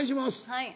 はい。